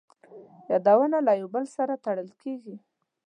یادونه له یو بل سره تړل کېږي.